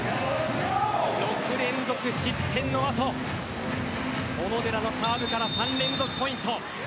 ６連続失点の後小野寺のサーブから３連続ポイント。